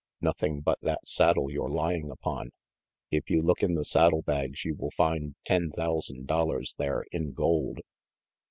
"Nothing but that saddle you're lying upon. If you look in the saddle bags you will find ten thousand dollars there in gold."